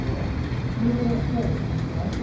= Near what place did J[)o]sh´u [.